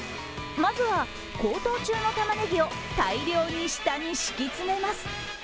まずは高騰中のたまねぎを大量に下に敷きつめます。